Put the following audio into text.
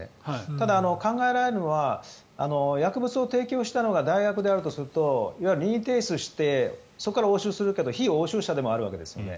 ただ、考えられるのは薬物を提供したのが大学であるとするといわゆる任意提出してそこから押収するけど被押収者でもあるわけですよね。